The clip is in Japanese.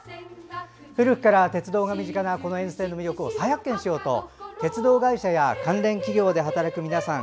古くから鉄道が身近なこの沿線の魅力を再発見しようと鉄道会社や関連企業で働く皆さん